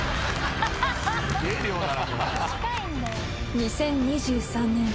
［２０２３年。